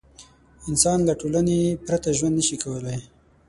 انسان له ټولنې پرته ژوند نه شي کولی.